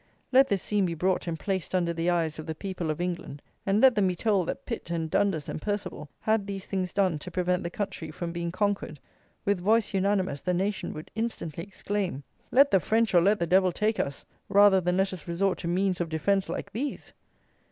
Let this scene be brought and placed under the eyes of the people of England, and let them be told that Pitt and Dundas and Perceval had these things done to prevent the country from being conquered; with voice unanimous the nation would instantly exclaim: Let the French or let the devil take us, rather than let us resort to means of defence like these.